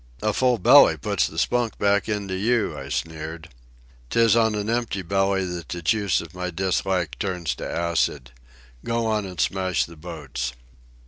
"A full belly puts the spunk back into you," I sneered. "'Tis on an empty belly that the juice of my dislike turns to acid. Go on an' smash the boats."